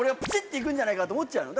行くんじゃないかって思っちゃうの。